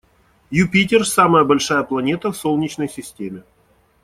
Юпитер - самая большая планета в Солнечной системе.